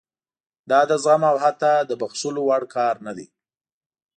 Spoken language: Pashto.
دا د زغم او حتی د بښلو وړ کار نه دی.